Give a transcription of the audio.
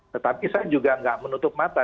tetapi saya juga nggak menutup mata